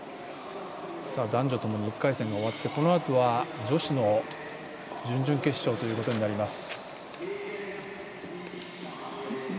男女ともに１回戦が終わりこのあとは、女子の準々決勝ということになります。